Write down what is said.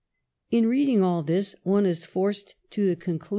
In reading all this, one is forced to the conclu